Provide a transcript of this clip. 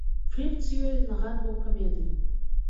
Флірт з ёй нагадваў камедыю.